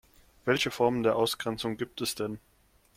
Welche Formen der Ausgrenzung gibt es denn?